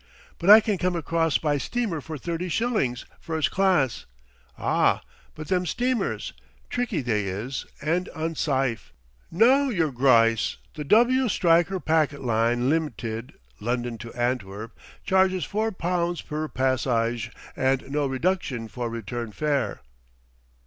But I can come across by steamer for thirty shillings, first class " "Aw, but them steamers! Tricky, they is, and unsyfe ... No, yer gryce, the W. Stryker Packet Line Lim'ted, London to Antwerp, charges four pounds per passyge and no reduction for return fare."